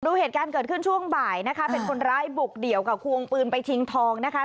เหตุการณ์เกิดขึ้นช่วงบ่ายนะคะเป็นคนร้ายบุกเดี่ยวกับควงปืนไปทิ้งทองนะคะ